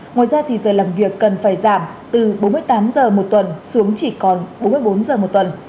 ngoài ra thì giờ làm việc cần phải giảm từ bốn mươi tám giờ một tuần xuống chỉ còn bốn mươi bốn giờ một tuần